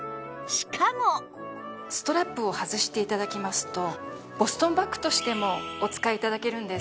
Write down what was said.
ストラップを外して頂きますとボストンバッグとしてもお使い頂けるんです。